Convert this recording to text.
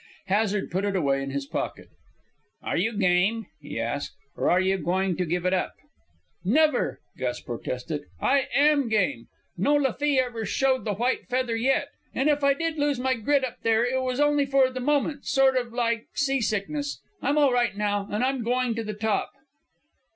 Hazard put it away in his pocket. "Are you game," he asked, "or are you going to give it up?" "Never!" Gus protested. "I am game. No Lafee ever showed the white feather yet. And if I did lose my grit up there, it was only for the moment sort of like seasickness. I'm all right now, and I'm going to the top."